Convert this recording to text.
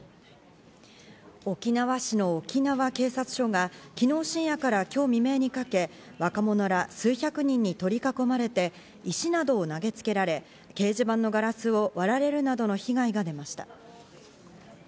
沖縄市の沖縄警察署が昨日深夜から今日未明にかけ、若者ら数百人に取り囲まれて石などを投げつけられ、掲示板のガラスを割られるなどの被害を受けました。